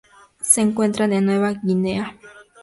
Se encuentra en Nueva guinea.